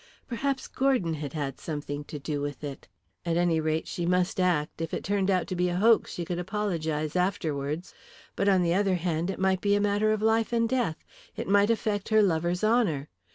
Perhaps Gordon had had something to do with it. At any rate, she must act. If it turned out to be a hoax she could apologise afterwards. But, on the other hand, it might be a matter of life and death; it might affect her lover's honour.